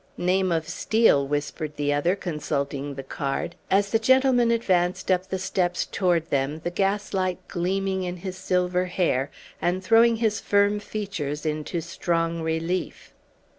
"Name of Steel," whispered the other, consulting the card, as the gentleman advanced up the steps toward them, the gaslight gleaming in his silver hair, and throwing his firm features into strong relief.